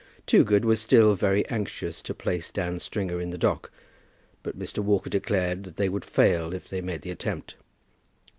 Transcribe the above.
Toogood was still very anxious to place Dan Stringer in the dock, but Mr. Walker declared that they would fail if they made the attempt.